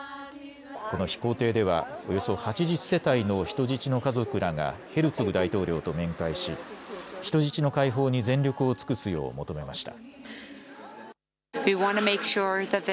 この日、公邸ではおよそ８０世帯の人質の家族らがヘルツォグ大統領と面会し人質の解放に全力を尽くすよう求めました。